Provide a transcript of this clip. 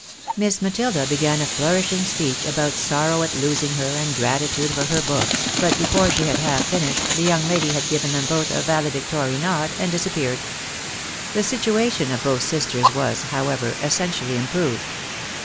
Miss Matilda began a flourisHng speech, about sorrow at losing her, and gratitude for her books, but before she had half finished the young lady had given them iDoth a valedictory nod, and dis appeared. The situation of both sisters was, however, essentially improved.